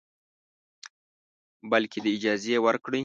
بلکې دا اجازه ورکړئ